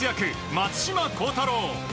松島幸太朗。